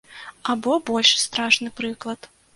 Або больш страшны прыклад.